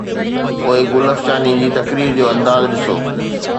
پوءِ گل افشاني جي تقرير جو انداز ڏسو